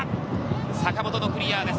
坂本のクリアです。